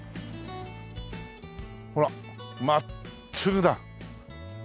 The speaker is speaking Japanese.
ほら真っすぐだ。